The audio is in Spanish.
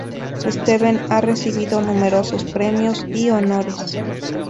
Steven ha recibido numerosos premios y honores.